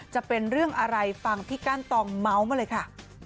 จะเป็นเรื่องอะไรฟังพี่กั้นตองเมาส์มาเลยค่ะ